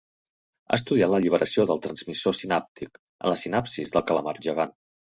Ha estudiat l'alliberació del transmissor sinàptic en la sinapsis del calamar gegant.